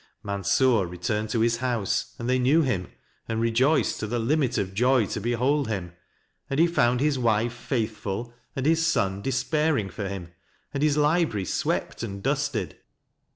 Mansur returned to his house, and they knew him, and rejoiced to the limit of joy to behold him ; and he found his wife faithful and his son despairing for him, and his library swept and dusted.